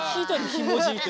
ひもじいって。